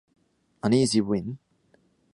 An easy win.